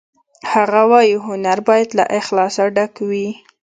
هغه وایی هنر باید له اخلاصه ډک وي